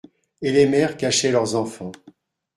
Et les mères cachaient leurs enfants.